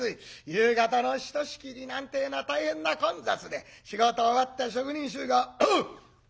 夕方のひとしきりなんてえのは大変な混雑で仕事終わった職人衆が「おうどうでえ